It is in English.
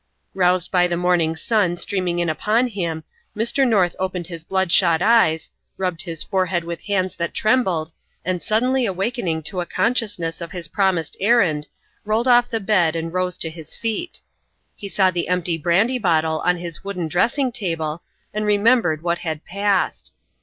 Roused by the morning sun streaming in upon him, Mr. North opened his bloodshot eyes, rubbed his forehead with hands that trembled, and suddenly awakening to a consciousness of his promised errand, rolled off the bed and rose to his feet. He saw the empty brandy bottle on his wooden dressing table, and remembered what had passed.